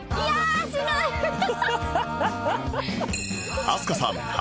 ハハハハ！